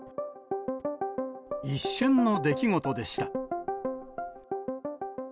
一瞬の出来事でした。